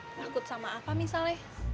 penakut sama apa misalnya